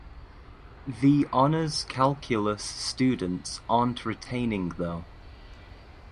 The honors calculus students aren’t retaining though.